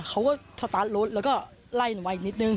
เขาก็สตาร์ทรถแล้วก็ไล่หนูไว้อีกนิดนึง